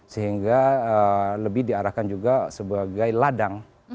sehingga lebih diarahkan juga sebagai ladang